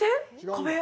壁。